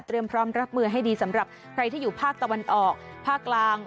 พร้อมรับมือให้ดีสำหรับใครที่อยู่ภาคตะวันออกภาคกลาง